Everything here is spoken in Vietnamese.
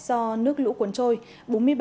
do nước lũ cuốn trôi